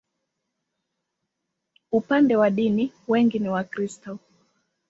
Upande wa dini, wengi ni Wakristo.